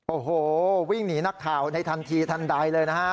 โอ้โหวิ่งหนีนักข่าวในทันทีทันใดเลยนะฮะ